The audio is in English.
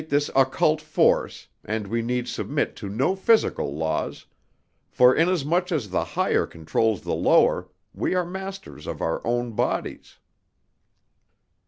First cultivate this occult force, and we need submit to no physical laws; for inasmuch as the higher controls the lower, we are masters of our own bodies."